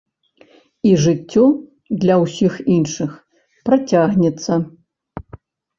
І жыццё для ўсіх іншых працягнецца.